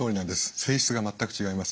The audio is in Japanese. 性質が全く違います。